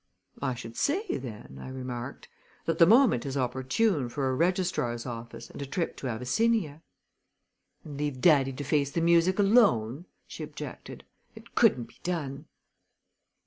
"I should say, then," I remarked, "that the moment is opportune for a registrar's office and a trip to Abyssinia." "And leave daddy to face the music alone?" she objected. "It couldn't be done."